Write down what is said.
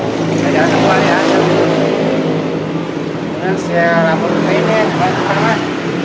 saya datang ke rumah